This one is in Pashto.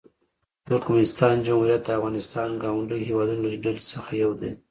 د ترکمنستان جمهوریت د افغانستان ګاونډیو هېوادونو له ډلې څخه یو دی.